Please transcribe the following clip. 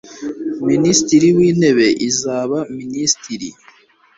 minisitiri w intebe iza ba minisitiri